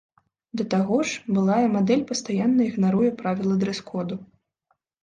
Да таго ж, былая мадэль пастаянна ігнаруе правілы дрэс-коду.